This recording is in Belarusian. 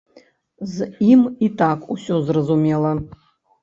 З ім і так усё зразумела.